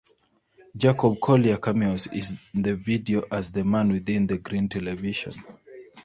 Jacob Collier cameos in the video as the man within the green television.